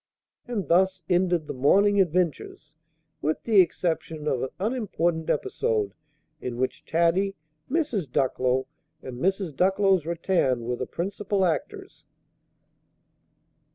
And thus ended the morning adventures, with the exception of an unimportant episode, in which Taddy, Mrs. Ducklow, and Mrs. Ducklow's rattan were the principal actors.